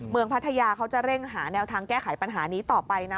พัทยาเขาจะเร่งหาแนวทางแก้ไขปัญหานี้ต่อไปนะ